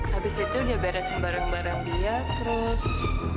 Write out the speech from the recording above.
habis itu dia beresin barang barang dia terus